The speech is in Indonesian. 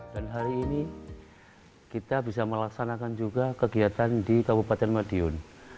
dan hari ini kita bisa melaksanakan juga kegiatan di kabupaten madiun